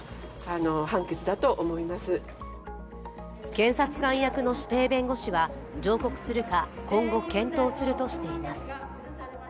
検察官役の指定弁護士は、上告するか、今後検討するとしています。